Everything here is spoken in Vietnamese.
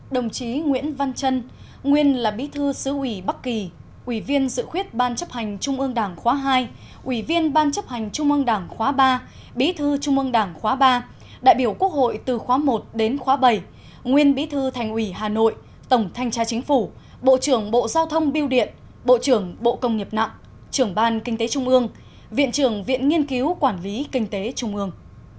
đồng chí nguyễn văn trân nguyên là bí thư xứ ủy bắc kỳ ủy viên dự khuyết ban chấp hành trung ương đảng khóa hai ủy viên ban chấp hành trung ương đảng khóa ba bí thư trung ương đảng khóa ba đại biểu quốc hội từ khóa một đến khóa bảy nguyên bí thư thành ủy hà nội tổng thanh tra chính phủ bộ trưởng bộ giao thông biêu điện bộ trưởng bộ công nghiệp nặng trưởng ban kinh tế trung ương viện trưởng viện nghiên cứu quản lý kinh tế trung ương